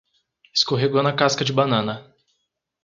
Escorregou na casca de banana